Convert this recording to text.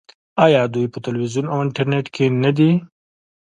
آیا دوی په تلویزیون او انټرنیټ کې نه دي؟